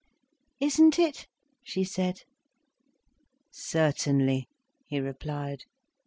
"Isn't it?" she said. "Certainly," he replied.